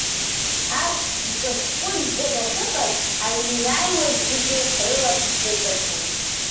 Ас дҿаҿкәызӡа дахьыҟаз, аҩны иааиуаз зегьы рылаԥш дыҵашәон.